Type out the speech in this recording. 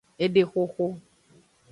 Edexoxo.